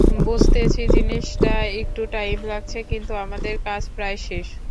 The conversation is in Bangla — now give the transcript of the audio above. বুঝতেছি জিনিসটায় একটু টাইম লাগছে, কিন্তু আমাদের কাজ প্রায় শেষ।